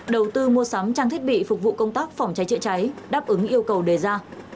đầu tư mua sắm trang thiết bị phục vụ công tác phòng trái trịa trái đáp ứng yêu cầu đề ra